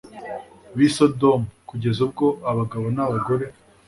b’i Sodomu, kugeza ubwo abagabo n’abagore